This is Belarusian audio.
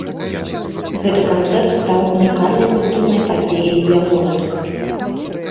Гэты канцэрт стаў унікальнай культурнай падзеяй для гораду.